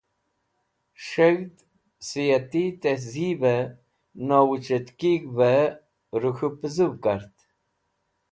S̃heg̃hd Siati Tehzibe Nowuc̃hetkig̃hev rek̃hu puzuv kart.